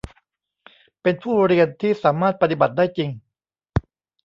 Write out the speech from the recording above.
เป็นผู้เรียนที่สามารถปฏิบัติได้จริง